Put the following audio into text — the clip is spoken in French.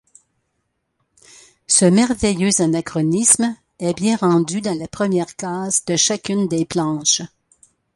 Ce merveilleux anachronisme est bien rendu dans la première case de chacune des planches.